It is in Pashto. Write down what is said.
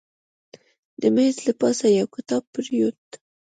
د میز له پاسه یو کتاب پرېوت.